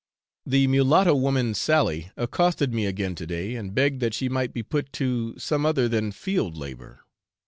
The mulatto woman, Sally, accosted me again to day, and begged that she might be put to some other than field labour.